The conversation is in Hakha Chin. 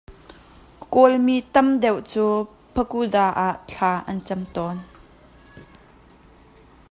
Kawlmi tam deuh cu pakuda ah thla an cam tawn.